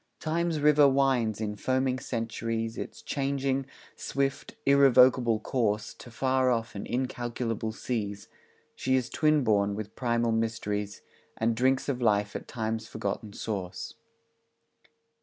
Time's river winds in foaming centuries Its changing, swift, irrevocable course To far off and incalculable seas; She is twin born with primal mysteries, And drinks of life at Time's forgotten source.